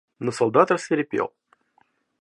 Но солдат рассвирепел.